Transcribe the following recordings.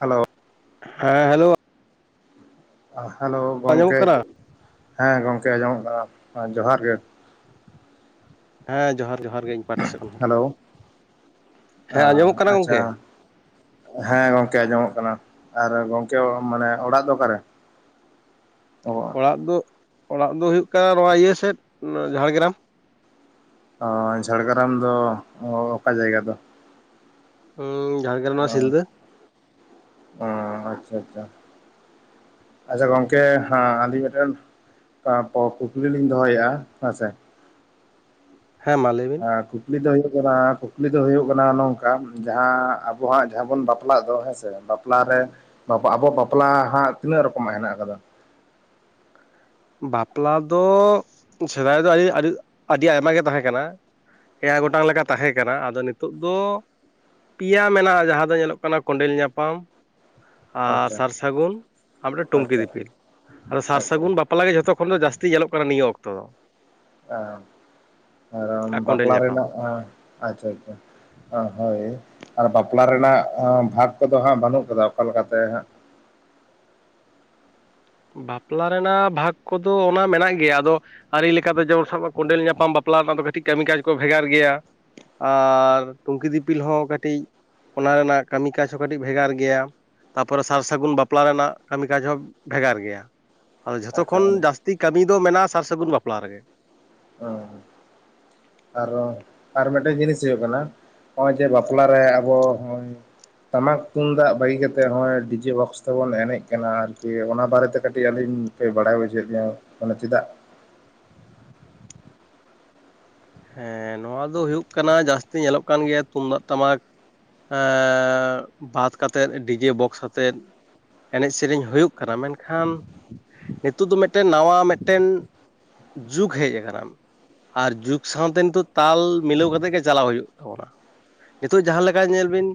Hello ᱦᱮᱸ hello hello ᱟᱸᱡᱚᱢᱚᱜ ᱜᱚᱢᱠᱮ ᱠᱟᱱᱟ ᱦᱮᱸ ᱜᱚᱢᱠᱮ ᱟᱸᱡᱚᱢᱚᱜ ᱠᱟᱱᱟ ᱡᱚᱦᱟᱨ ᱜᱮ ᱦᱮᱸ ᱡᱚᱦᱟᱨ ᱡᱚᱦᱟᱨ ᱜᱮ ᱤᱧ ᱯᱟᱦᱴᱟ ᱥᱮᱫ ᱠᱷᱚᱱ ᱦᱚᱸ ᱦᱮᱞᱳ ᱦᱮᱸ ᱟᱸᱡᱚᱢᱚᱜ ᱠᱟᱱᱟ ᱟᱪᱪᱷᱟ ᱜᱚᱝᱠᱮ ᱦᱮᱸ ᱜᱚᱝᱠᱮ ᱟᱸᱡᱚᱢᱚᱜ ᱠᱟᱱᱟ ᱟᱨ ᱜᱚᱝᱠᱮ ᱢᱟᱱᱮ ᱚᱲᱟᱜ ᱫᱚ ᱚᱠᱟᱨᱮ? ᱚ ᱚᱲᱟᱜ ᱫᱚ ᱚᱲᱟᱜ ᱫᱚ ᱦᱩᱭᱩᱜ ᱠᱟᱱᱟ ᱱᱚᱣᱟ ᱤᱭᱟᱹ ᱥᱮᱫ ᱡᱷᱟᱲᱜᱨᱟᱢ ᱚ ᱡᱷᱟᱲᱜᱨᱟᱢ ᱫᱚ ᱚᱠᱟ ᱡᱟᱭᱜᱟ ᱫᱚ ᱦᱚᱸ ᱡᱷᱟᱲᱜᱨᱟᱢ ᱱᱚᱣᱟ ᱥᱤᱞᱫᱟᱹ ᱚ ᱟᱪᱪᱷᱟ ᱟᱪᱪᱷᱟ ᱟᱪᱪᱷᱟ ᱜᱚᱝᱠᱮ ᱦᱟ ᱟᱞᱤᱧ ᱢᱤᱫᱴᱮᱱ ᱛᱟᱨᱯᱚᱨ ᱠᱩᱠᱞᱤ ᱞᱤᱧ ᱫᱚᱦᱚᱭᱮᱫᱼᱟ ᱦᱮᱸᱥᱮ ᱦᱮᱸ ᱢᱟ ᱞᱟᱹᱭ ᱢᱮ ᱠᱩᱠᱞᱤ ᱫᱚ ᱦᱩᱭᱩᱜ ᱠᱟᱱᱟ ᱠᱩᱠᱞᱤ ᱫᱚ ᱦᱩᱭᱩᱜ ᱠᱟᱱᱟ ᱱᱚᱝᱠᱟ ᱡᱟᱦᱟᱸ ᱟᱵᱚᱦᱟᱜ ᱡᱟᱦᱟᱸ ᱵᱚᱱ ᱵᱟᱯᱞᱟᱜ ᱫᱚ ᱦᱮᱸᱥᱮ ᱵᱟᱯᱞᱟᱨᱮ ᱟᱵᱚᱣᱟᱜ ᱵᱟᱯᱞᱟ ᱦᱟᱸᱜ ᱛᱤᱱᱟᱹᱜ ᱨᱮᱠᱚᱢᱟᱜ ᱦᱮᱱᱟᱜ ᱟᱠᱟᱫᱟ ᱵᱟᱯᱞᱟ ᱫᱚ ᱥᱮᱫᱟᱭ ᱫᱚ ᱟᱹᱰᱤ ᱟᱹᱰᱤ ᱟᱭᱢᱟ ᱜᱮ ᱛᱟᱦᱮᱸ ᱠᱟᱱᱟ᱾ ᱮᱭᱟᱭ ᱜᱚᱴᱟᱝ ᱞᱮᱠᱟ ᱛᱟᱦᱮᱸ ᱠᱟᱱᱟ ᱟᱫᱚ ᱱᱤᱛᱚᱜ ᱫᱚ ᱯᱮᱭᱟ ᱢᱮᱱᱟᱜᱼᱟ ᱡᱟᱦᱟᱸ ᱫᱚ ᱧᱮᱞᱚᱜ ᱠᱟᱱᱟ ᱠᱚᱸᱰᱮᱞ ᱧᱟᱯᱟᱢ ᱾ ᱟᱨ ᱟᱪᱪᱷᱟ ᱥᱟᱨ ᱥᱟᱹᱜᱩᱱ ᱟᱨ ᱢᱤᱫᱴᱮᱱ ᱴᱩᱝᱠᱤ ᱟᱪᱪᱷᱟ ᱫᱤᱯᱤᱞ ᱟᱫᱚ ᱥᱟᱨ ᱟᱪᱪᱷᱟ ᱥᱟᱹᱜᱩᱱ ᱵᱟᱯᱞᱟ ᱵᱟᱯᱞᱟᱜ ᱜᱮ ᱡᱷᱚᱛᱚ ᱠᱷᱚᱱ ᱫᱚ ᱡᱟᱹᱥᱛᱤ ᱧᱮᱞᱚᱜ ᱠᱟᱱᱟ ᱱᱤᱭᱟᱹ ᱚᱠᱛᱚ ᱫᱚ ᱟᱨ ᱠᱚᱸᱰᱮᱞ ᱵᱟᱯᱞᱟ ᱧᱟᱯᱟᱢ ᱨᱮᱱᱟᱜ ᱟᱪᱪᱷᱟ ᱟᱪᱪᱷᱟ ᱦᱳᱭ ᱟᱨ ᱵᱟᱯᱞᱟ ᱨᱮᱱᱟᱜ ᱵᱷᱟᱜᱽ ᱠᱚᱫᱚ ᱦᱟᱸᱜ ᱵᱟᱹᱱᱩᱜ ᱟᱠᱟᱫᱟ ᱚᱠᱟ ᱞᱮᱠᱟᱛᱮ ᱦᱟᱸᱜ ᱵᱟᱯᱞᱟ ᱨᱮᱱᱟᱜ ᱵᱷᱟᱜᱽ ᱠᱚᱫᱚ ᱚᱱᱟ ᱢᱮᱱᱟᱜ ᱜᱮᱭᱟ ᱟᱫᱚ ᱟᱹᱨᱤ ᱞᱮᱠᱟᱛᱮ ᱡᱚᱨ ᱥᱟᱵ ᱠᱚᱸᱰᱮᱞ ᱧᱟᱯᱟᱢ ᱵᱟᱯᱞᱟ ᱨᱮᱱᱟᱜ ᱫᱚ ᱠᱟᱹᱴᱤᱡ ᱠᱟᱹᱢᱤ ᱠᱟᱡᱽ ᱠᱚ ᱵᱷᱮᱜᱟᱨ ᱜᱮᱭᱟ ᱟᱨ ᱴᱩᱝᱠᱤ ᱫᱤᱯᱤᱞ ᱦᱚᱸ ᱠᱟᱹᱴᱤᱡ ᱚᱱᱟ ᱨᱮᱱᱟᱜ ᱠᱟᱹᱢᱤ ᱠᱟᱡ ᱦᱚᱸ ᱠᱟᱹᱴᱤᱡ ᱵᱷᱮᱜᱟᱨ ᱜᱮᱭᱟ ᱛᱟᱨᱯᱚᱨᱮ ᱥᱟᱨ ᱥᱟᱹᱜᱩᱱ ᱵᱟᱯᱞᱟ ᱨᱮᱱᱟᱜ ᱠᱟᱹᱢᱤ ᱠᱟᱡ ᱦᱚᱸ ᱵᱷᱮᱜᱟᱨ ᱜᱮᱭᱟ ᱟᱫᱚ ᱡᱷᱚᱛᱚ ᱟᱪᱪᱷᱟ ᱠᱷᱚᱱ ᱦᱮᱸ ᱡᱟᱹᱥᱛᱤ ᱠᱟᱹᱢᱤ ᱫᱚ ᱢᱮᱱᱟᱜᱼᱟ ᱥᱟᱨ ᱥᱟᱹᱜᱩᱱ ᱵᱟᱯᱞᱟ ᱨᱮᱜᱮ ᱦᱚᱭ ᱟᱨᱚ ᱟᱨ ᱢᱤᱫᱴᱮᱱ ᱡᱤᱱᱤᱥ ᱦᱩᱭᱩᱜ ᱠᱟᱱᱟ ᱱᱚᱜᱼᱚᱭ ᱡᱮ ᱵᱟᱯᱞᱟᱨᱮ ᱟᱵᱚ ᱦᱚᱸ [unintelligible] ᱴᱟᱢᱟᱠ ᱛᱩᱢᱫᱟᱜ ᱵᱟᱹᱜᱤ ᱠᱟᱛᱮ ᱦᱚᱸᱜᱚᱭ ᱰᱤᱡᱮ ᱵᱚᱠᱥ ᱛᱮᱵᱚᱱ ᱮᱱᱮᱡ ᱠᱟᱱᱟ ᱟᱨᱠᱤ ᱚᱱᱟ ᱵᱟᱨᱮᱛᱮ ᱠᱟᱹᱴᱤᱡ ᱟᱹᱞᱤᱧ ᱠᱟᱹᱡ ᱵᱟᱲᱟᱭ ᱵᱩᱡᱷᱟᱹᱣ ᱜᱮᱭᱟ ᱢᱟᱱᱮ ᱪᱮᱫᱟᱜ ᱦᱮᱸ ᱱᱚᱣᱟ ᱫᱚ ᱦᱩᱭᱩᱜ ᱠᱟᱱᱟ ᱡᱟᱹᱥᱛᱤ ᱧᱮᱞᱚᱜ ᱠᱟᱱ ᱜᱮᱭᱟ ᱛᱩᱢᱫᱟᱜ ᱴᱟᱢᱟᱠ ᱵᱟᱫ ᱠᱟᱛᱮᱫ ᱰᱤᱡᱮ ᱵᱚᱠᱥ ᱟᱛᱮᱫ ᱮᱱᱮᱡ ᱥᱮᱨᱮᱧ ᱦᱩᱭᱩᱜ ᱠᱟᱱᱟ ᱢᱮᱱᱠᱷᱟᱱ ᱱᱤᱛᱚᱜ ᱫᱚ ᱢᱤᱫᱴᱮᱱ ᱱᱟᱣᱟ ᱢᱤᱫᱴᱮᱱ ᱡᱩᱜ ᱦᱮᱡ ᱟᱠᱟᱱᱟ ᱟᱨ ᱡᱩᱜ ᱥᱟᱶᱛᱮ ᱱᱤᱛᱚᱜ ᱛᱟᱞ ᱢᱤᱞᱟᱹᱣ ᱠᱟᱛᱮᱜ ᱜᱮ ᱪᱟᱞᱟᱣ ᱦᱩᱭᱩᱜ ᱛᱟᱵᱚᱱᱟ ᱱᱤᱛᱚᱜ ᱡᱟᱦᱟᱸ ᱞᱮᱠᱟ ᱧᱮᱞ ᱵᱤᱱ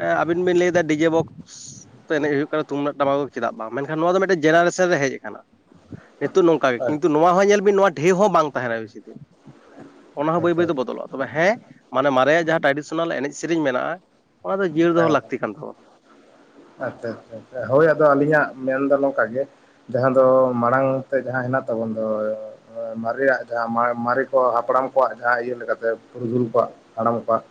ᱟᱹᱵᱤᱱ ᱵᱤᱱ ᱞᱟᱹᱭᱫᱟ ᱰᱤᱡᱮ ᱵᱚᱠᱥ ᱛᱚ ᱮᱱᱮᱡ ᱦᱩᱭᱩᱜ ᱠᱟᱱᱟ ᱛᱩᱢᱫᱟᱹᱜ ᱴᱟᱢᱟᱠ ᱫᱚ ᱪᱮᱫᱟᱜ ᱵᱟᱝ ᱢᱮᱱᱠᱷᱟᱱ ᱱᱚᱣᱟ ᱫᱚ ᱢᱤᱫᱴᱮᱱ ᱡᱮᱱᱟᱨᱮᱥᱚᱱ ᱨᱮ ᱦᱮᱡ ᱟᱠᱟᱱᱟ ᱱᱤᱛᱚᱜ ᱱᱚᱝᱠᱟ ᱜᱮ ᱟᱪᱪᱷᱟ ᱠᱤᱱᱛᱩ ᱱᱚᱣᱟ ᱦᱚᱸ ᱧᱮᱞ ᱵᱤᱱ ᱱᱚᱣᱟ ᱰᱷᱮᱹ ᱦᱚᱸ ᱵᱟᱝ ᱛᱟᱦᱮᱱᱟ ᱵᱮᱥᱤ ᱫᱤᱱ ᱾ ᱚᱱᱟ ᱦᱚᱸ ᱵᱟᱹᱭ ᱟᱪᱪᱷᱟ ᱵᱟᱹᱭᱛᱮ ᱦᱮᱸ ᱵᱚᱫᱚᱞᱚᱜᱼᱟ ᱛᱚᱵᱮ ᱦᱮᱸ ᱢᱟᱱᱮ ᱢᱟᱨᱮᱭᱟᱜ ᱡᱟᱦᱟᱸ ᱴᱨᱟᱰᱤᱥᱚᱱᱟᱞ ᱮᱱᱮᱡ ᱥᱮᱨᱮᱧ ᱢᱮᱱᱟᱜᱼᱟ ᱚᱱᱟ ᱫᱚ ᱡᱤᱭᱟᱹᱲ ᱫᱚᱦᱚ ᱞᱟᱹᱠᱛᱤ ᱠᱟᱱ ᱛᱟᱵᱚᱱᱟ ᱟᱪᱪᱷᱟ ᱟᱪᱪᱷᱟ ᱦᱳᱭ ᱟᱫᱚ ᱟᱹᱞᱤᱧᱟᱜ ᱢᱮᱱᱫᱚ ᱱᱚᱝᱠᱟ ᱜᱮ ᱡᱟᱦᱟᱸ ᱫᱚ ᱢᱟᱲᱟᱝ ᱛᱮ ᱡᱟᱦᱟᱸ ᱦᱮᱱᱟᱜ ᱛᱟᱵᱚᱱ ᱫᱚ ᱢᱟᱨᱮᱭᱟᱜ ᱡᱟᱦᱟᱸ ᱢᱟᱨᱮ ᱠᱚ ᱦᱟᱯᱲᱟᱢ ᱠᱚᱣᱟᱜ ᱡᱟᱦᱟᱸ ᱤᱭᱟᱹ ᱞᱮᱠᱟᱛᱮ ᱯᱩᱨᱩᱫᱷᱩᱞ ᱠᱚᱣᱟᱜ ᱦᱟᱲᱟᱢ ᱠᱚᱣᱟᱜ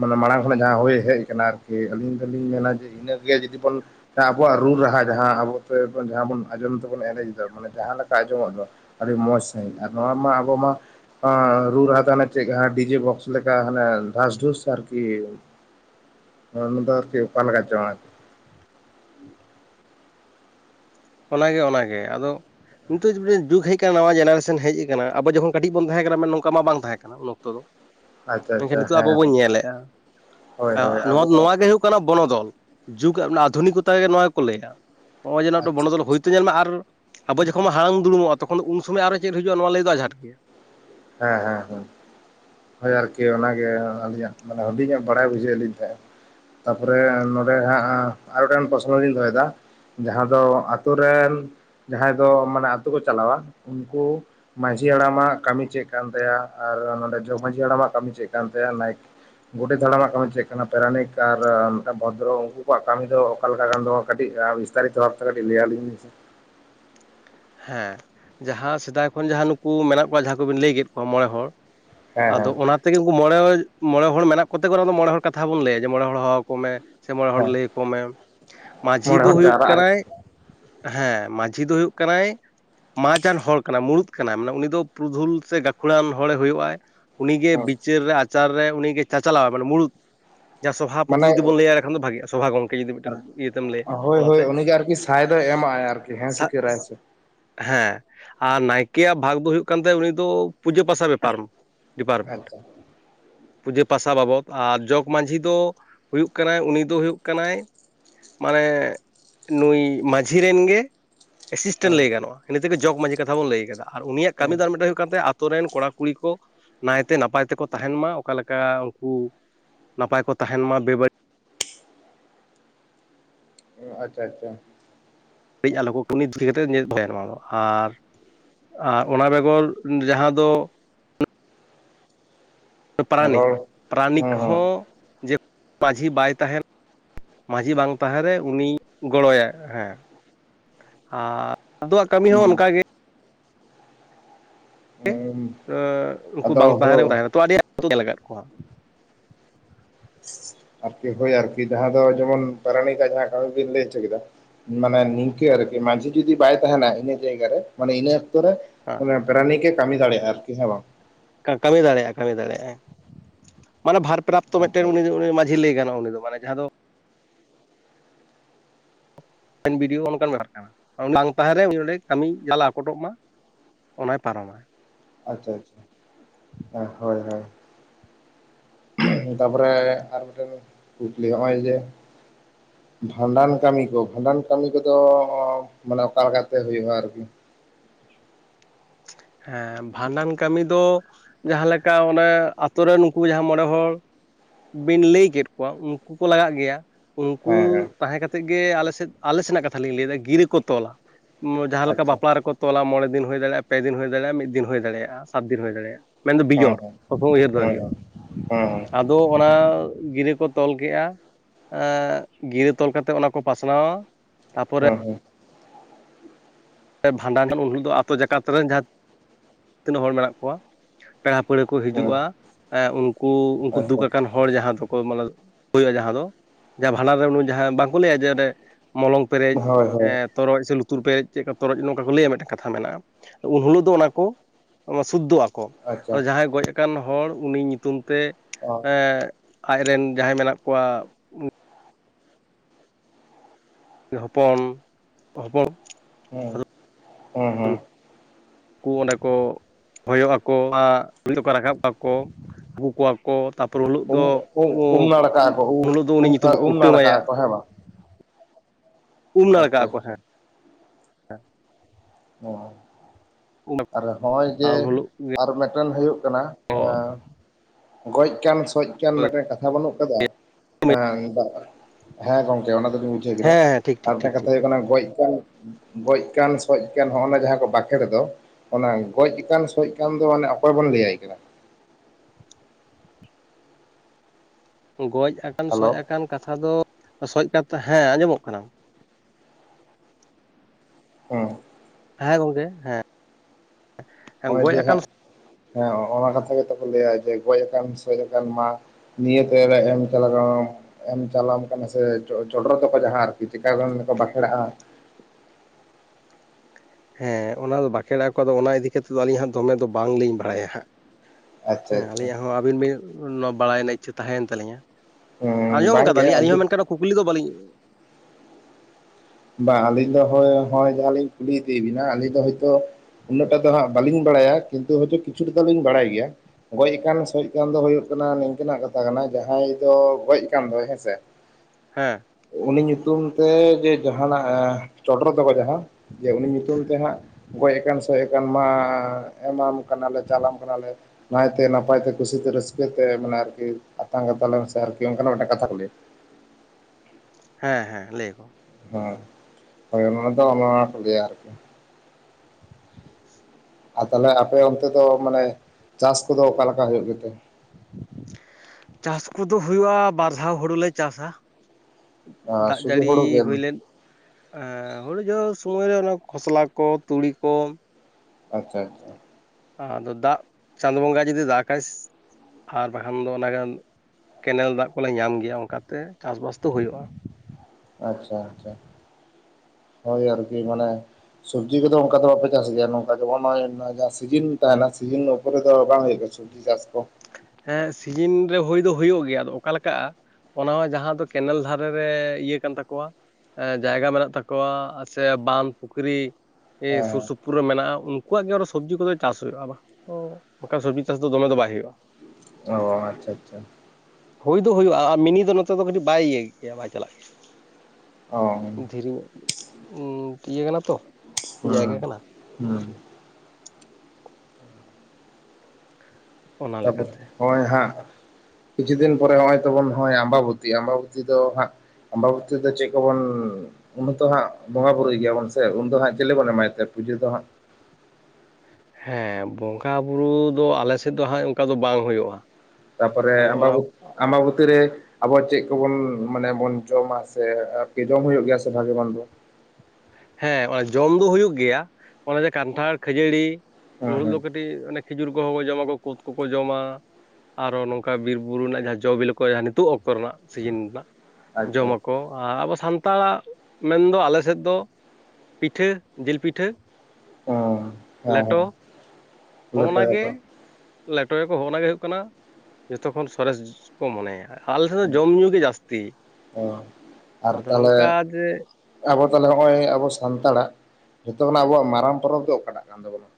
ᱢᱟᱱᱮ ᱢᱟᱲᱟᱝ ᱠᱷᱚᱱᱟᱜ ᱡᱟᱦᱟᱸ ᱦᱩᱭ ᱦᱮᱡ ᱟᱠᱟᱱᱟ ᱟᱨᱠᱤ ᱟᱹᱞᱤᱧ ᱫᱚᱞᱤᱧ ᱢᱮᱱᱟ ᱡᱮ ᱤᱱᱟᱹᱜᱮ ᱡᱩᱫᱤ ᱵᱚᱱ ᱡᱟᱦᱟᱸ ᱟᱵᱚᱣᱟᱜ ᱨᱩ ᱨᱟᱦᱟ ᱡᱟᱦᱟᱸ ᱟᱵᱚ ᱛᱮ ᱡᱟᱦᱟᱸ ᱵᱚᱱ ᱟᱸᱡᱚᱢ ᱛᱮᱵᱚᱱ ᱮᱱᱮᱡ ᱮᱫᱟ ᱢᱟᱱᱮ ᱡᱟᱦᱟᱸ ᱞᱮᱠᱟ ᱟᱸᱡᱚᱢᱚᱜ ᱫᱚ ᱟᱹᱰᱤ ᱢᱚᱸᱡᱽ ᱥᱟᱺᱦᱤᱡ ᱟᱨ ᱱᱚᱣᱟ ᱢᱟ ᱟᱵᱚᱢ ᱢᱟ [unintelligible] ᱨᱩ ᱨᱟᱦᱟ ᱫᱚ ᱦᱟᱱᱮ ᱪᱮᱫ ᱰᱤᱡᱮ ᱵᱚᱠᱥ ᱞᱮᱠᱟ ᱦᱟᱱᱮ ᱰᱷᱟᱥ ᱰᱷᱩᱥ ᱟᱨᱠᱤ ᱚᱱᱟ ᱫᱚ ᱟᱨᱠᱤ ᱚᱠᱟᱞᱮᱠᱟᱪᱝ ᱟᱨᱠᱤ [unintelligible] ᱚᱱᱟᱜᱮ ᱚᱱᱟᱜᱮ ᱟᱫᱚ ᱱᱤᱛᱚᱜ ᱢᱤᱫᱴ ᱡᱩᱜᱽ ᱦᱮᱡ ᱟᱠᱟᱱᱟ ᱱᱟᱣᱟ ᱡᱮᱱᱟᱨᱮᱥᱚᱱ ᱦᱮᱡ ᱟᱠᱟᱱᱟ ᱟᱵᱚ ᱡᱚᱠᱷᱚᱱ ᱠᱟᱹᱴᱤᱡ ᱵᱚᱱ ᱛᱟᱦᱮᱸ ᱠᱟᱱᱟ ᱢᱮᱱ ᱱᱚᱝᱠᱟ ᱢᱟ ᱵᱟᱝ ᱛᱟᱦᱮᱸ ᱠᱟᱱᱟ ᱩᱱ ᱚᱠᱛᱚ ᱫᱚ ᱟᱪᱪᱷᱟ ᱢᱮᱱᱠᱷᱟᱱ ᱟᱪᱪᱷᱟ ᱱᱤᱛᱚᱜ ᱟᱵᱚ ᱦᱮᱸ ᱵᱚᱱ ᱧᱮᱞᱮᱫᱼᱟ ᱦᱳᱭ ᱦᱳᱭ ᱱᱚᱣᱟ ᱱᱚᱣᱟ ᱟᱵᱚ ᱜᱮ ᱦᱩᱭᱩᱜ ᱠᱟᱱᱟ ᱵᱚᱱᱚᱫᱚᱞ ᱡᱩᱜᱽ ᱟᱫᱷᱩᱱᱤᱠᱚᱛᱟ ᱜᱮ ᱱᱚᱣᱟ ᱜᱮᱠᱚ ᱞᱟᱹᱭᱟ ᱱᱚᱜᱼᱚᱭ ᱡᱮᱼ ᱟᱪᱪᱷᱟ ᱵᱚᱱᱚᱫᱚᱞ ᱟᱪᱪᱷᱟ ᱦᱚᱭᱛᱳ ᱧᱮᱞ ᱢᱮ ᱟᱨ ᱟᱵᱚ ᱡᱚᱠᱷᱚᱱ ᱦᱟᱲᱟᱢ ᱫᱩᱲᱩᱚᱜᱼᱟ ᱛᱚᱠᱷᱚᱱ ᱩᱱ ᱥᱚᱢᱚᱭ ᱟᱨ ᱪᱮᱫ ᱦᱩᱭᱩᱜᱩᱜᱼᱟ ᱱᱚᱣᱟ ᱞᱟᱹᱭ ᱫᱚ ᱟᱷᱟᱴ ᱜᱮᱭᱟ ᱦᱮᱸ ᱦᱮᱸ ᱦᱮᱸ ᱦᱳᱭ ᱟᱨᱠᱤ ᱚᱱᱟᱜᱮ ᱟᱹᱞᱤᱧᱟᱜ ᱢᱟᱱᱮ ᱦᱩᱰᱤᱧᱚᱜ ᱵᱟᱲᱟᱭ ᱵᱩᱡᱷᱟᱹᱣᱮᱫ ᱞᱤᱧ ᱛᱟᱦᱮᱸᱫ ᱛᱟᱨᱯᱚᱨᱮ ᱱᱚᱰᱮ ᱦᱟᱸ ᱟᱨ ᱜᱚᱴᱟᱝ ᱯᱷᱚᱥᱚᱱᱚ ᱞᱤᱧ ᱫᱚᱦᱚᱭᱮᱫᱟ ᱡᱟᱦᱟᱸ ᱫᱚ ᱟᱛᱳ ᱨᱮᱱᱱ ᱡᱟᱦᱟᱸᱭ ᱫᱚ ᱢᱟᱱᱮ ᱟᱛᱳ ᱠᱚ ᱪᱟᱞᱟᱣᱟ ᱩᱱᱠᱩ ᱢᱟᱺᱡᱷᱤ ᱦᱟᱲᱟᱢᱟᱜ ᱠᱟᱹᱢᱤ ᱪᱮᱫ? ᱪᱮᱫ ᱠᱟᱱ ᱛᱟᱭᱟ ᱟᱨ ᱱᱚᱰᱮ ᱡᱚᱜᱽ ᱢᱟᱺᱡᱷᱤ ᱦᱟᱲᱟᱢᱟᱜ ᱠᱟᱹᱢᱤ ᱪᱮᱫ ᱠᱟᱱ ᱛᱟᱭᱟ ᱱᱟᱼ ᱜᱚᱴᱮᱛ ᱫᱟᱲᱟᱢᱟᱜ ᱠᱟᱹᱢᱤ ᱪᱮᱫ ᱠᱟᱱᱟ ᱯᱮᱨᱟᱱᱤᱠ ᱟᱨ ᱢᱤᱫᱴᱟᱝ ᱵᱷᱚᱫᱽᱨᱚ ᱩᱱᱠᱩ ᱠᱚᱣᱟᱜ ᱠᱟᱹᱢᱤ ᱫᱚ ᱚᱠᱟ ᱞᱮᱠᱟ ᱠᱟᱹᱴᱤᱪ ᱜᱟᱱ ᱛᱟᱨᱤᱛᱚ ᱵᱷᱟᱵ ᱛᱮ ᱠᱟᱹᱴᱤᱡ ᱞᱟᱹᱭ ᱟᱹᱞᱤᱧ ᱢᱮ ᱥᱮ ᱦᱮᱸ ᱡᱟᱦᱟᱸ ᱥᱮᱫᱟᱭ ᱠᱷᱚᱱ ᱡᱟᱦᱟᱸ ᱱᱩᱠᱩ ᱢᱮᱱᱟᱜ ᱠᱚᱣᱟ ᱡᱟᱦᱟᱸ ᱠᱚᱵᱤᱱ ᱞᱟᱹᱭ ᱠᱮᱫ ᱠᱚᱣᱟ ᱢᱚᱬᱮ ᱦᱚᱲ ᱦᱮᱸ ᱟᱫᱚ ᱦᱮᱸ ᱚᱱᱟ ᱛᱮᱜᱮ ᱩᱱᱠᱩ ᱢᱚᱬᱮ ᱢᱚᱬᱮ ᱦᱚᱲ ᱢᱮᱱᱟᱜ ᱠᱚᱛᱮ ᱠᱚ ᱚᱱᱟ ᱢᱚᱬᱮ ᱦᱚᱲ ᱠᱟᱛᱷᱟ ᱵᱚᱱ ᱞᱟᱹᱭᱟ ᱡᱮ ᱢᱚᱬᱮ ᱦᱚᱲ ᱦᱚᱦᱚ ᱟᱠᱚ ᱢᱮ ᱥᱮ ᱢᱚᱬᱮ ᱦᱚᱲ ᱦᱮᱸ ᱞᱟᱹᱭ ᱟᱠᱚ ᱢᱮ ᱢᱟᱺᱡᱷᱤ ᱢᱚᱬᱮ ᱫᱚ ᱦᱚᱲ ᱦᱩᱭᱩᱜ ᱡᱟᱣᱨᱟᱜ ᱟᱭ ᱠᱟᱱᱟᱭ ᱦᱮᱸ ᱢᱟᱺᱡᱷᱤ ᱫᱚ ᱦᱩᱭᱩᱜ ᱠᱟᱱᱟᱭ ᱢᱟᱡᱷᱼᱟᱱ ᱦᱚᱲ ᱠᱟᱱᱟ ᱢᱩᱬᱩᱫ ᱠᱟᱱᱟᱭ ᱢᱟᱱᱮ ᱩᱱᱤ ᱫᱚ ᱯᱩᱨᱩᱫᱷᱩᱞ ᱥᱮ ᱜᱟᱹᱠᱷᱩᱲᱟᱱ ᱦᱚᱲᱮ ᱦᱩᱭᱩᱜ ᱟᱭ ᱩᱱᱤᱜᱮ ᱦᱮᱸ ᱵᱤᱪᱟᱹᱨ ᱨᱮ ᱟᱪᱟᱨ ᱨᱮ ᱩᱱᱤᱜᱮ ᱪᱟᱪᱟᱞᱟᱣᱟᱭ ᱢᱟᱱᱮ ᱢᱩᱬᱩᱫ ᱡᱟ ᱥᱚᱵᱷᱟᱯᱚᱛᱤ ᱢᱟᱱᱮ ᱡᱩᱫᱤ ᱵᱚᱱ ᱞᱟᱹᱭᱟ ᱞᱮᱱᱠᱷᱟᱱ ᱵᱷᱟᱜᱜ ᱥᱚᱵᱷᱟ ᱜᱚᱝᱠᱮ ᱡᱩᱫᱤ ᱢᱤᱫᱴᱮᱱ ᱤᱭᱟᱹ ᱛᱮᱢ ᱞᱟᱹᱭᱟ ᱵᱟᱝᱞᱟᱛᱮ ᱯᱷᱟᱭ ᱫᱚᱭ ᱮᱢᱟᱜᱟᱭ ᱟᱨᱠᱤ ᱦᱮᱸ ᱥᱮ ᱥᱟ ᱥᱤᱠᱟᱹᱨᱟᱭ ᱦᱮᱸ ᱟᱨ ᱱᱟᱭᱠᱮᱭᱟᱜ ᱵᱷᱟᱜᱽ ᱫᱚ ᱦᱩᱭᱩᱜ ᱠᱟᱱ ᱛᱟᱭᱟ ᱩᱱᱤ ᱫᱚ ᱯᱩᱡᱟᱹ ᱯᱟᱥᱟ ᱵᱮᱯᱟᱨ ᱰᱤᱯᱟᱨᱴᱢᱮᱱᱴ ᱟᱪᱪᱷᱟ ᱯᱩᱡᱟᱹ ᱯᱟᱥᱟ ᱵᱟᱵᱚᱫ ᱟᱨ ᱡᱚᱜᱽ ᱢᱟᱺᱡᱷᱤ ᱫᱚ ᱦᱩᱭᱩᱜ ᱠᱟᱱᱟᱭ ᱩᱱᱤ ᱫᱚ ᱦᱩᱭᱩᱜ ᱠᱟᱱᱟᱭ ᱢᱟᱱᱮ ᱱᱩᱭ ᱢᱟᱺᱡᱷᱤ ᱨᱮᱱ ᱜᱮ ᱮᱥᱤᱥᱴᱮᱱᱴ ᱞᱟᱹᱭ ᱜᱟᱱᱚᱜᱼᱟ ᱤᱱᱟᱹᱜᱮ ᱡᱚᱜᱽ ᱢᱟᱺᱡᱷᱤ ᱠᱟᱛᱷᱟ ᱵᱚᱱ ᱞᱟᱹᱭ ᱠᱟᱫᱟ ᱟᱨ ᱩᱱᱤᱭᱟᱜ ᱠᱟᱹᱢᱤ ᱦᱮᱸ ᱫᱚ ᱟᱨ ᱢᱤᱫᱴᱮᱱ ᱦᱩᱭᱩᱜ ᱠᱟᱱ ᱛᱟᱭᱟ ᱟᱛᱳ ᱨᱮᱱ ᱠᱚᱲᱟ ᱠᱩᱲᱤ ᱠᱚ ᱱᱟᱭᱛᱮ ᱱᱟᱯᱟᱭ ᱛᱮᱠᱚ ᱛᱟᱦᱮᱱ ᱢᱟ ᱚᱠᱟ ᱞᱮᱠᱟ ᱩᱱᱠᱩ ᱱᱟᱯᱟᱭ ᱠᱚ ᱛᱟᱦᱮᱱ ᱢᱟ ᱵᱮᱵᱟᱹᱲᱤᱡ ᱟᱪᱪᱷᱟ ᱟᱪᱪᱷᱟ ᱟᱞᱚ ᱠᱚ ᱩᱱᱤ ᱫᱷᱩᱛᱤ ᱠᱟᱛᱮ ᱧᱮᱞ ᱫᱚᱦᱚᱭᱟ ᱱᱚᱣᱟ ᱫᱚ ᱟᱨ ᱟ ᱚᱱᱟ ᱵᱮᱜᱚᱨ ᱡᱟᱦᱟᱸ ᱫᱚ ᱯᱟᱨᱟᱱᱤᱠ ᱨᱚᱲ ᱯᱟᱨᱟᱱᱤᱠ ᱦᱮᱸ ᱦᱚᱸ ᱡᱮ ᱢᱟᱺᱡᱷᱤ ᱵᱟᱭ ᱛᱟᱦᱮᱱᱟ ᱢᱟᱺᱡᱷᱤ ᱵᱟᱝ ᱛᱟᱦᱮᱸᱱ ᱨᱮ ᱩᱱᱤ ᱜᱚᱲᱚᱭᱟᱭ ᱦᱮᱸ ᱟᱨ ᱫᱚᱣᱟᱜ ᱠᱟᱹᱢᱤ ᱦᱚᱸ ᱚᱱᱠᱟᱜᱮ ᱦᱮᱸ ᱩᱱᱠᱩ ᱟᱫᱚ ᱵᱟᱝ ᱛᱟᱦᱮᱱ ᱨᱮ ᱦᱳᱭ ᱛᱟᱦᱮᱱᱟ ᱛᱚ ᱟᱹᱰᱤ ᱟᱸᱴ ᱧᱮᱞ ᱟᱠᱟᱫ ᱠᱚᱣᱟ ᱟᱨᱠᱤ ᱦᱳᱭ ᱟᱨᱠᱤ ᱡᱟᱦᱟᱸ ᱫᱚ ᱡᱮᱢᱚᱱ ᱯᱟᱨᱟᱱᱤᱠᱟᱜ ᱡᱟᱦᱟᱸ ᱠᱟᱹᱢᱤ ᱵᱮᱱ ᱞᱟᱹᱭ ᱦᱚᱪᱚ ᱠᱮᱫᱟ ᱢᱟᱱᱮ ᱱᱤᱝᱠᱟᱹ ᱟᱨᱠᱤ ᱢᱟᱺᱡᱷᱤ ᱡᱩᱫᱤ ᱵᱟᱭ ᱛᱟᱦᱮᱱᱟ ᱤᱱᱟᱹ ᱡᱟᱭᱜᱟ ᱨᱮ ᱢᱟᱱᱮ ᱤᱱᱟᱹ ᱚᱠᱛᱚ ᱨᱮ ᱢᱟᱱᱮ ᱯᱟᱨᱟᱱᱤᱠᱮ ᱠᱟᱹᱢᱤ ᱫᱟᱲᱮᱭᱟᱜᱼᱟ ᱟᱨᱠᱤ ᱦᱮᱸ ᱵᱟᱝ ᱠᱟᱹᱢᱤ ᱫᱟᱲᱮᱭᱟᱜᱼᱟᱭ ᱠᱟᱹᱢᱤ ᱫᱟᱲᱮᱭᱟᱜᱼᱟᱭ ᱢᱟᱱᱮ ᱵᱷᱟᱨ ᱯᱨᱟᱯᱛᱚ ᱟᱪᱪᱷᱟ ᱢᱤᱫᱴᱮᱱ ᱩᱱᱤ ᱩᱱᱤ ᱼᱼᱡᱷᱤ ᱞᱟᱹᱭ ᱜᱟᱱᱚᱜᱼᱟ ᱩᱱᱤ ᱫᱚ ᱢᱟᱱᱮ ᱡᱟᱦᱟᱸ ᱫᱚ ᱵᱤᱰᱤᱭᱳ ᱚᱱᱠᱟᱱ ᱵᱮᱯᱟᱨ ᱠᱟᱱᱟ ᱵᱟᱝ ᱛᱟᱦᱮᱸᱱ ᱨᱮ ᱚᱸᱰᱮ ᱠᱟᱹᱢᱤ ᱟᱞᱚ ᱟᱠᱚᱴᱚᱜ ᱢᱟ ᱚᱱᱟᱭ ᱯᱟᱨᱚᱢᱟ ᱟᱪᱪᱷᱟ ᱟᱪᱪᱷᱟ ᱦᱳᱭ ᱦᱳᱭ ᱛᱟᱨᱯᱚᱨᱮ ᱟᱨ ᱢᱤᱫᱴᱮᱱ ᱠᱩᱠᱞᱤ ᱱᱚᱜᱼᱚᱭ ᱡᱮ ᱵᱷᱟᱸᱰᱟᱱ ᱠᱟᱹᱢᱤ ᱠᱚ, ᱵᱷᱟᱸᱰᱟᱱ ᱠᱟᱹᱢᱤ ᱠᱚᱫᱚ ᱢᱟᱱᱮ ᱚᱠᱟᱞᱮᱠᱟ ᱞᱮᱠᱟᱛᱮ ᱦᱩᱭᱩᱜᱼᱟ ᱟᱨᱠᱤ? ᱦᱮᱸ ᱵᱷᱟᱸᱰᱟᱱ ᱠᱟᱹᱢᱤ ᱫᱚ ᱡᱟᱦᱟᱸᱞᱮᱠᱟ ᱚᱱᱮ ᱟᱹᱛᱩ ᱨᱮᱱ ᱱᱩᱠᱩ ᱡᱟᱦᱟᱸ ᱢᱚᱬᱮ ᱦᱚᱲ ᱵᱤᱱ ᱞᱟᱹᱭ ᱠᱮᱫ ᱠᱚᱣᱟ ᱩᱱᱠᱩ ᱠᱚ ᱞᱟᱜᱟᱜ ᱜᱮᱭᱟ᱾ ᱩᱱᱠᱩ ᱦᱮᱸ ᱦᱮᱸ ᱛᱟᱦᱮᱸ ᱠᱟᱛᱮᱫ ᱜᱮ ᱟᱞᱮ ᱥᱮᱫ ᱟᱞᱮ ᱥᱮᱱᱟᱜ ᱠᱟᱛᱷᱟ ᱞᱤᱧ ᱞᱟᱹᱭᱮᱫᱟ ᱜᱤᱨᱟᱹ ᱠᱚ ᱛᱚᱞᱟ᱾ ᱡᱟᱦᱟᱸ ᱞᱮᱠᱟ ᱟᱪᱪᱷᱟ ᱵᱟᱯᱞᱟ ᱨᱮᱠᱚ ᱛᱚᱞᱟ ᱢᱚᱬᱮ ᱫᱤᱱ ᱦᱩᱭ ᱫᱟᱲᱮᱭᱟᱜᱼᱟ, ᱯᱮ ᱫᱤᱱ ᱦᱩᱭ ᱫᱟᱲᱮᱭᱟᱜᱼᱟ, ᱢᱤᱫ ᱫᱤᱱ ᱦᱩᱭ ᱫᱟᱲᱮᱭᱟᱜᱼᱟ, ᱥᱟᱛ ᱫᱤᱱ ᱦᱩᱭ ᱫᱟᱲᱮᱭᱟᱜᱼᱟ᱾ ᱢᱮᱱᱫᱚ ᱦᱮᱸ ᱵᱤᱡᱳᱲ ᱦᱮᱸ ᱥᱚᱵᱥᱚᱢᱚᱭ ᱩᱭᱦᱟᱹᱨ ᱫᱚᱦᱚ ᱦᱩᱭᱩᱜᱼᱟ᱾ ᱦᱮᱸ ᱦᱮᱸ ᱟᱫᱚ ᱚᱱᱟ ᱜᱤᱨᱟᱹ ᱠᱚ ᱛᱚᱞ ᱠᱮᱜᱼᱟ᱾ ᱜᱤᱨᱟᱹ ᱛᱚᱞ ᱠᱟᱛᱮ ᱚᱱᱟ ᱠᱚ ᱯᱟᱥᱱᱟᱣᱟ᱾ ᱛᱟᱨᱯᱚᱨ ᱦᱚᱸ ᱵᱷᱟᱸᱰᱟᱱ ᱩᱱ ᱦᱤᱞᱳᱜ ᱫᱚ ᱟᱹᱛᱩ ᱡᱟᱠᱟᱛ ᱨᱮᱱ ᱡᱟᱦᱟᱸ ᱛᱤᱱᱟᱹᱜ ᱦᱚᱲ ᱢᱮᱱᱟᱜ ᱠᱚᱣᱟ᱾ ᱯᱮᱲᱟ-ᱯᱟᱹᱲᱦᱟᱹ ᱠᱚ ᱦᱮᱸ ᱦᱮᱸ ᱦᱤᱡᱩᱜᱼᱟ, ᱩᱱᱠᱩ ᱩᱱᱠᱩ ᱫᱩᱠ ᱟᱪᱪᱷᱟ ᱟᱠᱟᱱ ᱦᱚᱲ ᱡᱟᱦᱟᱸ ᱫᱚᱠᱚ ᱢᱟᱱᱮ ᱦᱩᱭᱩᱜᱼᱟ, ᱡᱟᱦᱟᱸ ᱫᱚ ᱡᱟᱦᱟᱸ ᱵᱷᱟᱸᱰᱟᱱ ᱨᱮ ᱡᱟᱦᱟᱸ ᱵᱟᱝ ᱠᱚ ᱞᱟᱹᱭᱟ ᱡᱮᱸ ᱚᱰᱮ ᱢᱚᱞᱚᱝ ᱯᱮᱨᱮᱡ ᱦᱳᱭ ᱦᱳᱭ ᱛᱚᱨᱚᱡ ᱥᱮ ᱞᱩᱛᱩᱨ ᱯᱮᱨᱮᱡ ᱪᱮᱫᱠᱟ ᱛᱚᱨᱚᱡ ᱱᱚᱝᱠᱟ ᱠᱚ ᱞᱟᱹᱭᱟ᱾ ᱢᱤᱫᱴᱟᱝ ᱠᱟᱛᱷᱟ ᱢᱮᱱᱟᱜᱼᱟ, ᱩᱱ ᱦᱤᱞᱳᱜ ᱫᱚ ᱚᱱᱟ ᱠᱚ ᱥᱩᱫᱽᱫᱷᱚ ᱟᱠᱚ᱾ ᱟᱪᱪᱷᱟ ᱟᱫᱚ ᱡᱟᱦᱟᱸᱭ ᱜᱚᱡ ᱟᱠᱟᱱ ᱦᱚᱲ ᱩᱱᱤ ᱧᱩᱛᱩᱢ ᱛᱮ ᱦᱮᱸ ᱮ ᱟᱡ ᱨᱮᱱ ᱡᱟᱦᱟᱸᱭ ᱢᱮᱱᱟᱜ ᱠᱚᱣᱟ᱾ ᱦᱚᱯᱚᱱ ᱦᱚᱯᱚᱱ ᱦᱮᱸ ᱦᱮᱸ ᱦᱮᱸ ᱠᱩ ᱚᱰᱮ ᱠᱚ ᱦᱚᱭᱚᱜ ᱟᱠᱚ, ᱦᱩᱭᱩᱜ ᱠᱚ ᱨᱟᱠᱟᱵ ᱠᱚᱣᱟ ᱠᱚ, ᱩᱱᱠᱩ ᱠᱚᱣᱟ ᱠᱚ ᱛᱟᱨᱯᱚᱨ ᱩᱱᱤᱞᱳᱜ ᱩᱢ ᱫᱚ ᱩᱢ ᱩᱢ ᱱᱟᱲᱠᱟ ᱠᱟᱜᱼᱟ ᱠᱚ ᱦᱤᱞᱳᱜ ᱫᱚ ᱩᱱᱤ ᱩᱢ ᱧᱩᱛᱩᱢ ᱠᱚ ᱩᱢ ᱠᱩᱴᱟᱹᱢᱟᱭᱟ᱾ ᱱᱟᱲᱠᱟᱜᱼᱟ ᱠᱚ ᱦᱮᱸ ᱵᱟᱝ ᱩᱢ ᱱᱟᱲᱠᱟᱜ ᱟᱪᱪᱷᱟ ᱟᱠᱚ ᱟᱪᱪᱷᱟ ᱦᱮᱸ᱾ ᱩᱢ ᱟᱨ ᱦᱚᱸᱜᱼᱚᱭ ᱡᱮ ᱟᱨ ᱩᱱ ᱦᱤᱞᱳᱜ ᱟᱨ ᱢᱤᱫᱴᱮᱱ ᱦᱩᱭᱩᱜ ᱠᱟᱱᱟ᱾ ᱫᱚ ᱜᱚᱡ-ᱠᱟᱱ, ᱥᱚᱡ-ᱠᱟᱱ, ᱢᱤᱫᱴᱮᱱ ᱠᱟᱛᱷᱟ ᱵᱟᱹᱱᱩᱜ ᱠᱟᱫᱟ ᱮ? ᱦᱮᱸ ᱜᱚᱝᱠᱮ ᱚᱱᱟ ᱫᱚᱞᱤᱧ ᱵᱩᱡᱷᱟᱹᱣ ᱠᱮᱫᱟ ᱦᱮᱸ ᱦᱮᱸ ᱴᱷᱤᱠ ᱟᱨ ᱴᱷᱤᱠ ᱴᱷᱤᱠ ᱢᱤᱫᱴᱟᱝ ᱠᱟᱛᱷᱟ ᱴᱷᱤᱠ ᱦᱩᱭᱩᱜ ᱠᱟᱱᱟ ᱜᱚᱡ ᱠᱟᱱ, ᱥᱟᱡ-ᱠᱟᱱ ᱥᱚᱡ ᱟᱠ ᱱᱚᱜ ᱡᱟᱦᱟᱸ ᱠᱚ ᱵᱟᱸᱠᱷᱮ ᱫᱚ᱾ ᱚᱱᱟ ᱜᱚᱡ ᱟᱠᱟᱱ ᱥᱚᱡ ᱟᱠ ᱫᱚ ᱚᱱᱮ ᱚᱠᱚᱭ ᱵᱚᱱ ᱞᱟᱹᱭᱟᱭ ᱠᱟᱱᱟ? ᱜᱚᱡ ᱟᱠᱟᱱ ᱥᱚᱡ ᱦᱮᱞᱳ ᱟᱠᱟᱱ ᱠᱟᱛᱷᱟ ᱫᱚ ᱥᱚᱡ ᱠᱟᱛᱮ ᱦᱮᱸ ᱟᱸᱡᱚᱢᱚᱜ ᱠᱟᱱᱟ᱾ ᱦᱮᱸ ᱦᱮᱸ ᱜᱚᱝᱠᱮ ᱦᱮᱸ ᱱᱚᱜᱼᱚᱭ ᱜᱚᱡ ᱡᱮ ᱟᱠᱟᱱ ᱦᱟᱸᱜ ᱦᱮᱸ ᱚᱱᱟ ᱠᱟᱛᱷᱟ ᱜᱮᱛᱚ ᱠᱚ ᱞᱟᱹᱭᱟ ᱡᱮ ᱜᱚᱡ ᱟᱠᱟᱱ ᱥᱚᱡ ᱟᱠᱟᱱ ᱢᱟ᱾ ᱱᱤᱭᱟᱹ ᱛᱮᱞᱮ ᱮᱢ ᱪᱟᱞᱟᱜ ᱮᱢ ᱪᱟᱞᱟᱣᱟ ᱠᱟᱱᱟ ᱥᱮ ᱪᱚᱰᱚᱨ ᱫᱚᱟᱠᱚ ᱡᱟᱦᱟᱸ ᱟᱨᱠᱤ ᱪᱮᱠᱟ ᱠᱚ ᱵᱟᱠᱷᱮᱲᱟᱜᱼᱟ᱾ ᱦᱮᱸ ᱚᱱᱟ ᱫᱚ ᱵᱟᱸᱠᱷᱮᱲ ᱟᱠᱚ, ᱚᱱᱟ ᱤᱫᱤ ᱠᱟᱛᱮᱫ ᱫᱚ ᱟᱹᱞᱤᱧ ᱦᱟᱸᱜ ᱫᱚᱢᱮ ᱫᱚ ᱵᱟᱝᱞᱤᱧ ᱵᱟᱲᱟᱭᱟ ᱦᱟᱸᱜ᱾ ᱟᱪᱪᱷᱟ ᱦᱮᱸ ᱟᱪᱪᱷᱟ ᱟᱞᱤᱧᱟᱜ ᱦᱚᱸ ᱟᱹᱵᱤᱱ ᱵᱤᱱ ᱵᱟᱲᱟᱭ ᱨᱮᱱᱟᱜ ᱤᱪᱪᱟᱹ ᱛᱟᱦᱮᱭᱮᱱ ᱛᱟᱹᱞᱤᱧᱟ᱾ ᱦᱩᱸ ᱟᱸᱡᱚᱢ ᱵᱟᱝᱜᱮ ᱠᱟᱫᱟᱞᱤᱧ ᱟᱹᱞᱤᱧ ᱟᱫᱚ ᱦᱚᱸ ᱢᱮᱱ ᱠᱩᱠᱞᱤ ᱫᱚ ᱵᱟᱹᱞᱤᱧ ᱵᱟᱝ ᱟᱹᱞᱤᱧ ᱫᱚᱜᱚᱭ ᱡᱟᱦᱟᱸᱞᱤᱧ ᱠᱩᱞᱤᱛᱤᱭ ᱵᱮᱤᱱᱟ ᱟᱹᱞᱤᱧ ᱫᱚ ᱦᱚᱳᱭᱛᱳ ᱩᱱᱟᱹᱜᱴᱟ ᱫᱚ ᱵᱟᱹᱞᱤᱧ ᱵᱟᱲᱟᱭᱟ ᱠᱤᱱᱛᱩ ᱦᱚᱭᱛᱳ ᱠᱤᱪᱷᱩᱴᱷᱟ ᱫᱚ ᱞᱤᱧ ᱵᱟᱲᱟᱭ ᱜᱮᱭᱟ᱾ ᱜᱚᱡ ᱟᱠᱟᱱ ᱥᱚᱡ ᱠᱟᱱ ᱫᱚ ᱦᱩᱭᱩᱜ ᱠᱟᱱᱟ ᱱᱤᱝᱠᱟ ᱱᱟᱜ ᱠᱟᱛᱷᱟ ᱠᱟᱱᱟ ᱡᱟᱦᱟᱸᱭ ᱫᱚ ᱜᱚᱡ ᱟᱠ ᱫᱚᱭ ᱦᱮᱸᱥᱮ ᱦᱮᱸ ᱩᱱᱤ ᱧᱩᱛᱩᱢ ᱛᱮ ᱡᱮ ᱡᱟᱦᱱᱟᱜ ᱪᱚᱰᱨᱚ ᱫᱚᱵᱚ ᱡᱟᱦᱟᱸ᱾ ᱡᱮ ᱩᱱᱤ ᱧᱩᱛᱩᱢ ᱛᱮ ᱦᱟᱸᱜ ᱜᱚᱡ ᱟᱠᱟᱱ ᱮᱠᱟᱱ ᱢᱟ ᱮᱢᱟᱢ ᱠᱟᱱᱟᱞᱮ ᱪᱟᱞᱟᱢ ᱠᱟᱱᱟᱞᱮ ᱱᱟᱭᱛᱮ ᱱᱟᱯᱟᱭᱛᱮ ᱠᱩᱥᱤᱛᱮ ᱨᱟᱹᱥᱠᱟᱹ ᱛᱮ ᱢᱟᱱᱮ ᱟᱨᱠᱤ ᱟᱛᱟᱝ ᱠᱟᱛᱟᱞ ᱟᱨᱠᱤ᱾ ᱚᱱᱠᱟᱱᱟᱜ ᱢᱤᱫᱴᱟᱝ ᱠᱟᱛᱷᱟ ᱠᱚ ᱞᱟᱹᱭᱟ᱾ ᱦᱮᱸ ᱦᱮᱸ ᱞᱟᱹᱭ ᱟᱠᱚ ᱦᱮᱸ ᱛᱚ ᱮᱢᱟ ᱠᱚ ᱜᱮᱭᱟ, ᱟᱨᱠᱤ᱾ ᱟᱨ ᱛᱟᱦᱚᱞᱮ ᱟᱯᱮ ᱚᱱᱛᱮ ᱫᱚ ᱢᱟᱱᱮ ᱪᱟᱥ ᱠᱚᱫᱚ ᱚᱠᱟᱞᱮᱠᱟ ᱦᱩᱭᱩᱜ ᱜᱮᱛᱚ? ᱪᱟᱥ ᱠᱚᱫᱚ ᱦᱩᱭᱩᱜᱼᱟ, ᱵᱟᱨ ᱫᱷᱟᱣ ᱦᱩᱲᱩᱮ ᱪᱟᱥᱟ᱾ ᱫᱟᱜ ᱥᱩᱫᱷᱩ ᱡᱟᱹᱲᱤ ᱦᱩᱲᱩ ᱜᱮ ᱦᱩᱭᱞᱮᱱ ᱦᱩᱲᱩ ᱡᱚᱦᱚ ᱥᱚᱢᱚᱭ ᱨᱮ ᱚᱱᱟ ᱠᱷᱚᱥᱞᱟ ᱠᱚ ᱛᱩᱲᱤ ᱠᱚ᱾ ᱟᱪᱪᱷᱟ ᱟᱪᱪᱷᱟ ᱟᱫᱚ ᱫᱟᱜ ᱪᱟᱸᱫᱚ ᱵᱚᱸᱜᱟᱭ ᱡᱩᱫᱤ ᱫᱟᱜᱟᱭ ᱥᱮ ᱟᱨ ᱵᱟᱠᱷᱟᱱ ᱫᱚ ᱚᱱᱟᱜᱟᱱ ᱠᱮᱱᱮᱞ ᱫᱟᱜ ᱠᱚᱞᱮ ᱧᱟᱢ ᱜᱮᱭᱟ ᱚᱱᱠᱟᱛᱮ ᱪᱟᱥᱵᱟᱥ ᱫᱚ ᱦᱩᱭᱩᱜᱳᱼᱟ ᱾ ᱟᱪᱪᱷᱟ ᱟᱪᱪᱷᱟ ᱟᱪᱪᱷᱟ ᱦᱳᱭ ᱟᱨᱠᱤ ᱢᱟᱱᱮ ᱥᱚᱵᱡᱤ ᱠᱚᱫᱚ ᱚᱱᱠᱟ ᱫᱚ ᱵᱟᱯᱮ ᱪᱟᱥ ᱜᱮᱭᱟ ᱱᱚᱝᱠᱟ ᱡᱮᱢᱚᱱ ᱱᱚᱜᱚᱭ ᱡᱟᱦᱟᱸ ᱥᱤᱡᱤᱱ ᱛᱟᱦᱮᱱᱟ ᱥᱤᱡᱤᱱ ᱩᱯᱚᱨ ᱫᱚ ᱵᱟᱝ ᱦᱩᱭᱩᱜ ᱠᱟᱱᱟ ᱥᱚᱵᱡᱤ? ᱪᱟᱥ ᱠᱚ ᱦᱮᱸ ᱥᱤᱡᱤᱱ ᱨᱮ ᱦᱩᱭ ᱫᱚ ᱦᱩᱭᱩᱜ ᱜᱮᱭᱟ ᱟᱫᱚ ᱚᱠᱟᱞᱮ ᱞᱮᱠᱟᱜᱼᱟ ᱚᱱᱟ ᱦᱚᱸ ᱡᱟᱦᱟ ᱫᱚ ᱠᱮᱱᱮᱞ ᱫᱷᱟᱨᱮ ᱨᱮ ᱤᱭᱟᱹ ᱠᱟᱱ ᱛᱟᱠᱚᱣᱟ ᱮ ᱡᱟᱭᱜᱟ ᱢᱮᱱᱟᱜ ᱛᱟᱠᱚᱣᱟ ᱥᱮ ᱵᱟᱸᱫᱷ ᱯᱩᱠᱷᱨᱤ ᱥᱩᱨ ᱥᱩᱯᱩᱨ ᱯᱩᱨ ᱨᱮ ᱢᱮᱱᱟᱜᱼᱟ ᱩᱱᱠᱩᱣᱟᱜ ᱜᱮ ᱟᱨᱚ ᱥᱚᱵᱽᱡᱤ ᱠᱚᱫᱚ ᱪᱟᱥ ᱦᱩᱭᱩᱜᱼᱟ ᱵᱟᱝ ᱫᱚ ᱵᱟᱠᱷᱟᱱ ᱥᱚᱵᱽᱡᱤ ᱪᱟᱥ ᱫᱚᱢᱮ ᱫᱚ ᱵᱟᱭ ᱦᱩᱭᱩᱜᱼᱟ ᱚ ᱟᱪᱪᱷᱟ ᱟᱪᱪᱷᱟ ᱟᱪᱪᱷᱟ ᱦᱩᱭ ᱫᱚ ᱦᱩᱭᱩᱜᱼᱟ ᱟᱨ ᱢᱤᱱᱤ ᱫᱚ ᱱᱚᱛᱮ ᱫᱚ ᱠᱟᱹᱴᱤᱡ ᱵᱟᱭ ᱤᱭᱟᱹ ᱜᱮᱭᱟ ᱵᱟᱭ ᱪᱟᱞᱟᱜ ᱜᱮᱭᱟ᱾ ᱚ ᱦᱩᱸ ᱫᱷᱤᱨᱤᱧᱚᱜ ᱦᱩᱸ ᱤᱭᱟᱹ ᱠᱟᱱᱟ ᱛᱚ ᱡᱟᱭᱜᱟ ᱠᱟᱱᱟ ᱦᱩᱸ ᱚᱱᱟ ᱛᱟᱯᱚᱨᱮ ᱞᱮᱠᱟᱛᱮ ᱦᱚᱜᱚᱭ ᱦᱟᱜ ᱠᱤᱪᱷᱩ ᱫᱤᱱ ᱯᱚᱨᱮ ᱱᱚᱜᱼᱚᱭ ᱛᱟᱵᱚᱱ ᱱᱚᱜᱼᱚᱭ ᱟᱢᱵᱟᱵᱚᱛᱤ ᱟᱢᱵᱟᱵᱚᱛᱤ ᱫᱚ ᱦᱟᱸᱜ ᱟᱵᱟᱵᱚᱛᱤ ᱫᱚ ᱪᱮᱫ ᱠᱚᱵᱚᱱ ᱩᱱ ᱦᱚᱛᱚ ᱦᱟᱸᱜ ᱵᱚᱸᱜᱟ ᱵᱳᱩᱨᱩᱭ ᱜᱮᱭᱟᱵᱚᱱ ᱥᱮ ᱩᱱᱫᱚ ᱦᱟᱸᱜ ᱪᱮᱞᱮ ᱵᱚᱱ ᱮᱢᱟᱭ ᱛᱮ ᱯᱩᱡᱟᱹ ᱫᱚ ᱦᱟᱸᱜ? ᱦᱮᱸ ᱵᱚᱸᱜᱟ ᱵᱩᱨᱩ ᱫᱚ ᱟᱞᱮᱥᱮᱫ ᱫᱚ ᱦᱟᱸᱜ ᱚᱱᱠᱟ ᱫᱚ ᱵᱟᱝ ᱦᱩᱭᱩᱜᱼᱟ ᱛᱟᱯᱚᱨᱮ ᱟᱫᱚ ᱚᱱᱟ ᱟᱢᱵᱟᱵᱚᱛ ᱟᱢᱵᱟᱵᱚᱛᱤ ᱨᱮ ᱟᱵᱚ ᱪᱮᱫ ᱠᱚᱵᱚᱱ ᱢᱟᱱᱮ ᱵᱚᱱ ᱡᱚᱢᱟ ᱥᱮ ᱡᱚᱢ ᱦᱳ ᱜᱮᱭᱟ ᱥᱮ ᱵᱷᱟᱜᱤ ᱢᱚᱱᱫᱚ ᱦᱮᱸ ᱚᱱᱟ ᱡᱚᱢ ᱫᱚ ᱦᱩᱭᱩᱜ ᱜᱮᱭᱟ ᱚᱱᱮ ᱡᱮ ᱠᱟᱱᱴᱷᱟᱲ ᱠᱷᱟᱹᱡᱟᱹᱲᱤ ᱩᱱ ᱦᱮᱸ ᱦᱤᱞᱳᱜ ᱦᱮᱸ ᱫᱚ ᱠᱟᱹᱴᱤᱡ ᱠᱟᱹᱴᱤᱡ ᱚᱱᱮ ᱠᱷᱤᱡᱩᱨ ᱠᱚᱦᱚᱸ ᱠᱚ ᱡᱚᱢᱟ ᱠᱚ ᱠᱩᱫ ᱠᱚᱠᱚ ᱡᱚᱢᱟ ᱟᱨᱚ ᱱᱚᱝᱠᱟ ᱵᱤᱨ ᱵᱩᱨᱩ ᱨᱮᱱᱟᱜ ᱡᱟᱦᱟᱸ ᱡᱚᱵᱤᱞᱤ ᱠᱚ ᱡᱟᱦᱟᱸ ᱱᱤᱛᱚᱜ ᱚᱠᱛᱚ ᱨᱮᱱᱟᱜ ᱥᱤᱡᱤᱱ ᱨᱮᱱᱟᱜ ᱟᱪᱪᱷᱟ ᱡᱚᱢᱟᱠᱚ ᱟᱨ ᱟᱵᱚ ᱥᱟᱱᱛᱟᱲᱟᱜ ᱢᱮᱱᱫᱚ ᱟᱞᱮ ᱥᱮᱫ ᱫᱚ ᱯᱤᱴᱷᱟᱹ ᱡᱤᱞ ᱯᱤᱴᱷᱟᱹ ᱦᱮᱸ ᱦᱮᱸ ᱞᱮᱴᱚ ᱦᱮᱸ ᱦᱚᱸᱜᱼᱚᱭ ᱱᱟ ᱜᱮ ᱞᱮᱴᱚᱭᱟᱠᱚ ᱞᱮᱴᱚᱭᱟᱠᱚ ᱚᱱᱟ ᱜᱮ ᱦᱩᱭᱩᱜ ᱠᱟᱱᱟ ᱡᱚᱛᱚ ᱠᱷᱚᱱᱚ ᱥᱚᱨᱮᱥ ᱠᱚ ᱢᱚᱱᱮᱭᱟ ᱦᱟᱜ ᱟᱞᱮᱥᱮᱫ ᱫᱚ ᱦᱮᱸ ᱡᱚᱢ ᱧᱩ ᱜᱮ ᱡᱟᱹᱥᱛᱤ ᱟᱨ ᱟᱫᱚ ᱛᱟᱦᱚᱞᱮ ᱱᱚᱝᱠᱟ ᱡᱮ ᱟᱵᱚ ᱛᱟᱦᱞᱮ ᱱᱚᱜᱼᱚᱭ ᱟᱵᱚ ᱥᱟᱱᱛᱟᱲᱟᱜ ᱡᱚᱛᱚ ᱠᱷᱚᱱᱟᱜ ᱟᱵᱚᱣᱟᱜ ᱢᱟᱨᱟᱝ ᱯᱚᱨᱚᱵᱽ ᱫᱚ ᱚᱠᱟᱴᱟᱜ ᱠᱟᱱ ᱛᱟᱵᱚᱱᱟ?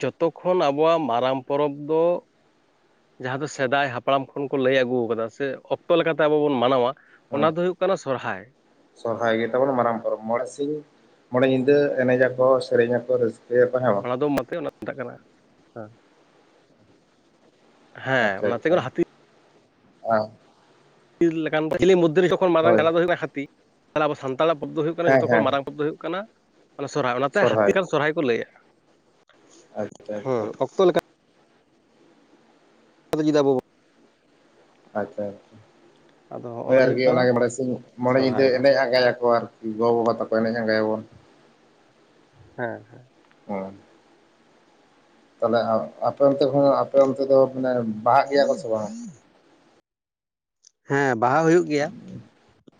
ᱡᱚᱛᱚ ᱠᱷᱚᱱ ᱟᱵᱚᱣᱟᱜ ᱢᱟᱨᱟᱝ ᱯᱚᱨᱚᱵᱽ ᱫᱚ ᱡᱟᱦᱟᱸ ᱫᱚ ᱥᱮᱫᱟᱭ ᱦᱟᱯᱲᱟᱢ ᱠᱷᱚᱱ ᱠᱚ ᱞᱟᱹᱭ ᱟᱹᱜᱩ ᱟᱠᱟᱫᱟ ᱥᱮ ᱚᱠᱛᱚ ᱞᱮᱠᱟᱛᱮ ᱟᱵᱚ ᱵᱚᱱ ᱢᱟᱱᱟᱣᱟ ᱚᱱᱟ ᱦᱮᱸ ᱫᱚ ᱦᱩᱭᱩᱜ ᱠᱟᱱᱟ ᱥᱚᱨᱦᱟᱭ ᱥᱚᱨᱦᱟᱭ ᱜᱮᱛᱟᱵᱚᱱ ᱢᱟᱨᱟᱝ ᱯᱚᱨᱚᱵᱽ ᱢᱚᱬᱮ ᱥᱤᱧ ᱢᱚᱬᱮ ᱧᱤᱫᱟᱹ ᱮᱱᱮᱡ ᱟᱠᱚ ᱥᱮᱨᱮᱧ ᱟᱠᱚ ᱨᱟᱹᱥᱠᱟᱹᱭᱟᱠᱚ ᱦᱮ ᱵᱟᱝ ᱟᱫᱚᱢ ᱟᱛᱮᱫ ᱚᱱᱟ ᱥᱮᱴᱟᱜ ᱠᱟᱱᱟ ᱦᱮᱸ [unintelligible] ᱦᱮᱸ ᱟᱪᱪᱷᱟ ᱚᱱᱟᱛᱮ ᱟᱪᱪᱷᱟ ᱮᱸ ᱦᱟᱹᱛᱤ ᱢᱚᱫᱽᱫᱷ ᱨᱮ ᱡᱚᱠᱷᱚᱱ ᱢᱟᱨᱟᱝ ᱦᱳᱭ ᱪᱞᱟ ᱫᱚ ᱦᱩᱭᱩᱜ ᱦᱟᱹ ᱛᱟᱦᱮ ᱟᱵᱚ ᱥᱟᱱᱛᱟᱲᱟᱜ ᱯᱚᱵ ᱫᱚ ᱦᱩᱭᱩᱜᱼᱟ [unintelligible] ᱦᱮᱸ ᱡᱚᱛᱚ ᱠᱷᱚᱱ ᱦᱮᱸ ᱢᱟᱨᱟᱝ ᱯᱚᱨᱚᱵᱽ ᱫᱚ ᱦᱩᱭᱩᱜ ᱠᱟᱱᱟ ᱥᱚᱨᱦᱟᱭ ᱚᱱᱟᱛᱮ ᱦᱟᱹᱛᱤ ᱞᱮᱠᱟᱱ ᱥᱚᱨᱦᱟᱭ ᱠᱚ ᱞᱟᱹᱭᱫᱼᱟ ᱟᱪᱪᱷᱟ ᱦᱮᱸ ᱟᱪᱪᱷᱟ ᱚᱠᱛᱚ ᱞᱮᱠᱟ ᱟᱫᱟ ᱪᱮᱫᱟᱜ ᱵᱟᱵᱳ ᱟᱪᱪᱷᱟ ᱟᱪᱪᱷᱟ ᱟᱫᱚ ᱦᱚᱸᱜᱼᱚ ᱦᱳᱭ ᱱᱟ ᱜᱮ ᱟᱨᱠᱤ ᱦᱩᱭᱩᱜ ᱠᱟᱱᱟ ᱚᱱᱟᱜᱮ ᱢᱚᱬᱮ ᱥᱤᱧ ᱢᱚᱬᱮ ᱧᱤᱫᱟᱹ ᱥᱚᱨᱦᱟᱭ ᱫᱚ ᱮᱱᱮᱡ ᱟᱸᱜᱟᱭᱟᱠᱚ ᱟᱨᱠᱤ ᱜᱚ ᱵᱟᱵᱟ ᱛᱟᱠᱚ ᱮᱱᱮᱡ ᱟᱸᱜᱟᱭᱟᱵᱚᱱ ᱦᱮᱸ ᱦᱩᱸ [inaudible] ᱛᱟᱦᱚᱞᱮ ᱟᱯᱮ ᱚᱱᱛᱮ ᱠᱷᱚᱱ ᱟᱯᱮ ᱚᱱᱛᱮ ᱫᱚ ᱢᱟᱱᱮ ᱵᱟᱦᱟᱜ ᱜᱮᱭᱟ ᱠᱚ ᱥᱮ ᱵᱟᱝ ᱦᱮᱸ ᱵᱟᱦᱟ ᱦᱩᱭᱩᱜ ᱜᱮᱭᱟ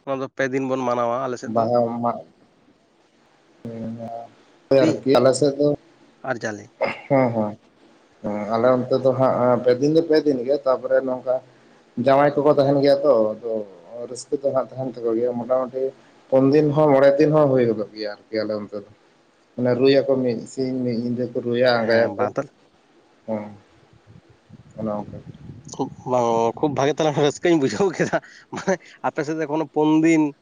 ᱚᱱᱟ ᱫᱚ ᱯᱮ ᱫᱤᱱ ᱵᱚᱱ ᱢᱟᱱᱟᱣᱟ ᱟᱞᱮᱥᱮᱫ ᱫᱚ ᱟ [unintelligible] ᱦᱩᱸ ᱦᱩᱸ ᱦᱳᱭ ᱫᱤ ᱟᱨᱠᱤ ᱟᱞᱮᱥᱮᱫ ᱫᱚ ᱟᱨ ᱡᱟᱞᱮ ᱦᱩᱸ ᱦᱩᱸ ᱟᱞᱮ ᱚᱱᱛᱮ ᱫᱚ ᱦᱟᱜ ᱯᱮᱫᱤᱱ ᱫᱚ ᱯᱮᱫᱤᱱ ᱜᱮ ᱛᱟᱨᱯᱚᱨᱮ ᱱᱚᱝᱠᱟ ᱡᱟᱶᱟᱭ ᱠᱚᱠᱚ ᱛᱟᱦᱮᱱ ᱜᱮᱭᱟ ᱛᱚ ᱟᱫᱚ ᱨᱟᱹᱥᱠᱟᱹ ᱫᱚ ᱦᱟᱸᱜ ᱛᱟᱦᱮᱱ ᱛᱟᱠᱚ ᱜᱮᱭᱟ ᱢᱚᱴᱟᱢᱩᱴᱤ ᱯᱩᱱ ᱫᱤᱱ ᱦᱚᱸ ᱢᱚᱬᱮ ᱫᱤᱱ ᱦᱚᱸ ᱦᱩᱭ ᱜᱚᱫᱚᱜ ᱜᱮᱭᱟ ᱜᱮᱭᱟᱞᱮ ᱚᱱᱛᱮ ᱫᱚ ᱢᱟᱱᱮ ᱨᱩᱭᱟᱠᱚ ᱢᱤᱫ ᱥᱤᱧ ᱢᱤᱫ ᱧᱤᱫᱟᱹ ᱠᱚ ᱨᱩᱭᱟ ᱦᱮᱸ ᱟᱸᱜᱟᱭᱟᱠᱚ ᱵᱟᱝ ᱛᱟᱦᱞᱮ ᱦᱮᱸ ᱜᱚᱱᱠᱮ ᱵᱟᱝ ᱠᱷᱩᱵ ᱵᱷᱟᱜᱮ ᱛᱟᱞᱮ ᱨᱟᱹᱥᱠᱟᱹᱧ ᱵᱩᱡᱷᱟᱹᱣ ᱠᱮᱫᱟ ᱢᱟᱱᱮ ᱟᱯᱮ ᱥᱮᱫ ᱠᱚᱱᱳ ᱯᱩᱱ ᱫᱤᱱ